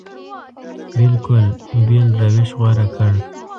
بلکل بېل روش غوره کړ.